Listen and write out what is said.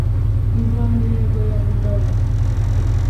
iza mirego ya bugabo